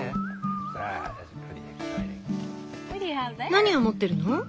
何を持ってるの？